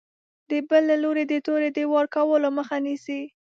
د بل له لوري د تورې د وار کولو مخه نیسي.